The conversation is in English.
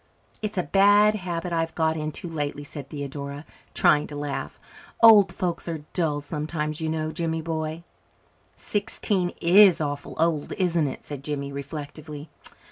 "It's a bad habit I've got into lately," said Theodora, trying to laugh. "Old folks are dull sometimes, you know, Jimmy boy." "Sixteen is awful old, isn't it?" said Jimmy reflectively.